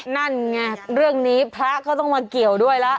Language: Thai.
ตอนนี้พระก็ต้องมาเกี่ยวด้วยละ